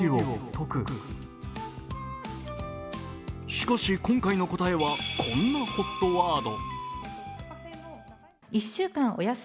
しかし今回の答えはこんなＨＯＴワード。